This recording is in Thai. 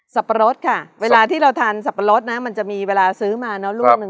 ปะรดค่ะเวลาที่เราทานสับปะรดนะมันจะมีเวลาซื้อมาเนอะลูกหนึ่ง